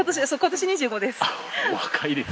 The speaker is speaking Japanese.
はい。